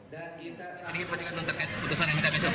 dan kita saat ini menunggu putusan mk